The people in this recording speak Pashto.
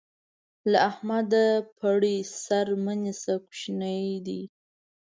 له احمده د پړي سر مه نيسه؛ کوشنی دی.